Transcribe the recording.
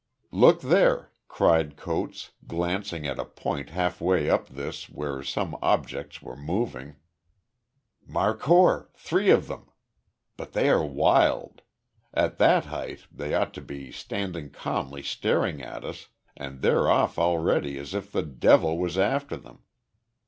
"Look there," cried Coates, glancing at a point halfway up this where some objects were moving. "Markhor three of them! But they are wild. At that height they ought to be standing calmly staring at us, and they're off already as if the devil was after them."